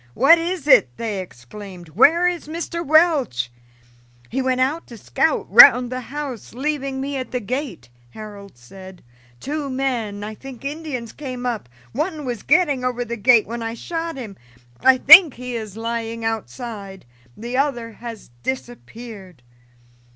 "What is it?" they exclaimed. "Where is Mr. Welch?" "He went out to scout round the house, leaving me at the gate," Harold said. "Two men, I think Indians, came up; one was getting over the gate when I shot him. I think he is lying outside the other has disappeared."